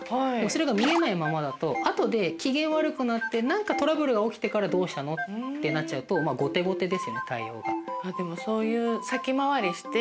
それが見えないままだと後で機嫌悪くなって何かトラブルが起きてから「どうしたの？」ってなっちゃうとまあ後手後手ですよね対応が。